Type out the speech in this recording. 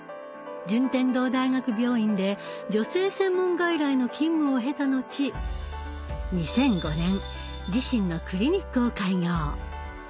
順天堂大学病院で女性専門外来の勤務を経たのち２００５年自身のクリニックを開業。